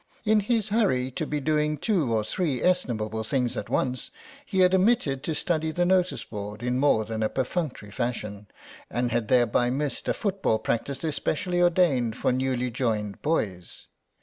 In his hurry to be doing two or three estimable things at once he had omitted to study the notice board in more than a perfunctory fashion and had thereby missed a football practice specially ordained for newly joined boys.